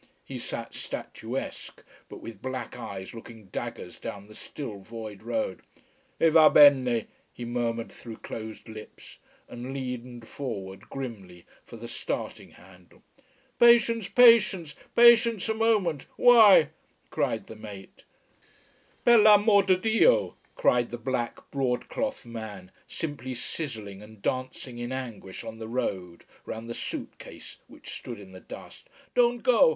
He sat statuesque, but with black eyes looking daggers down the still void road. "Eh va bene", he murmured through closed lips, and leaned forward grimly for the starting handle. "Patience patience patience a moment why " cried the mate. "Per l'amor' di Dio!" cried the black broad cloth man, simply sizzling and dancing in anguish on the road, round the suit case, which stood in the dust. "Don't go!